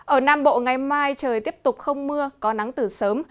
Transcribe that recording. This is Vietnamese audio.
ở nam bộ ngày mai trời tiếp tục không mưa có nắng từ sớm